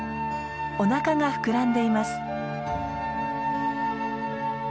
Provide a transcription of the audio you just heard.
おなかが膨らんでいます。